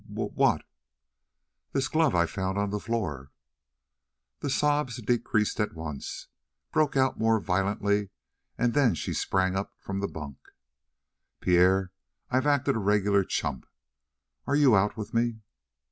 "Wh wh what?" "This glove I found on the floor?" The sobs decreased at once broke out more violently and then she sprang up from the bunk. "Pierre, I've acted a regular chump. Are you out with me?"